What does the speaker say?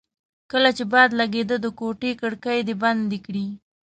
کله چې باد لګېده د کوټې کړکۍ دې بندې کړې.